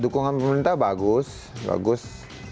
dukungan pemerintah bagus bagus